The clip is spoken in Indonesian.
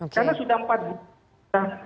karena sudah empat bulan